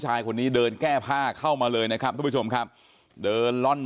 ชายคนนี้เดินแก้ผ้าเข้ามาเลยนะครับทุกผู้ชมครับเดินล่อน